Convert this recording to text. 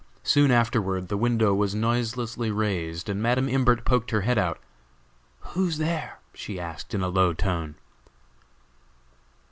Soon afterward, the window was noiselessly raised, and Madam Imbert poked her head out. "Who's there?" she asked, in a low tone.